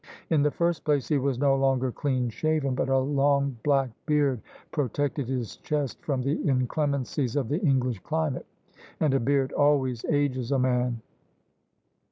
In the first place he was no longer clean shaven, but a long black beard protected his chest from the inclemencies of the Eng lish climate: and a beard always ages a man.